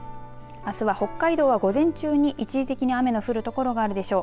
あすは北海道は午前中に一時的に雨の降る所があるでしょう。